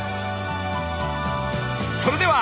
それでは！